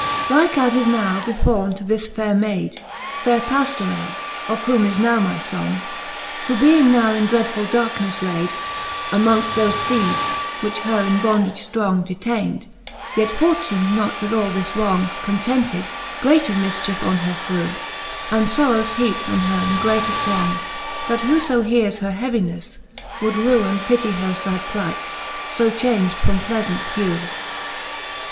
n. Like as is now befalne to this faire Mayd, Faire Pajlorell, of whom is now my fong. Who being now in dreadfull darknefle layd, Amongft thofe theeves, which her in bondage ftrong Detaynd, yet Fortune not with all this wrong Contented) greater mifchiefe on her threw, And forrowes heapt on her in greater throng ; That who fo heares her heavineffe, would rew, And pitty her fad plight, fo chang'd from pleafaunt hew. IIL Whyleft Canto Xf . the Faerie ^ueene, 367 III.